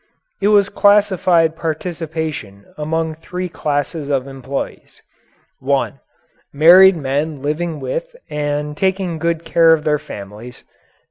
It was classified participation among three classes of employees: (1) Married men living with and taking good care of their families.